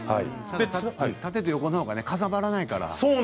縦と横のほうがかさばらないから。